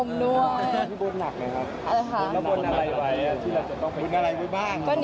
บนอะไรไว้ที่เราจะต้องเป็นอะไรบ้าง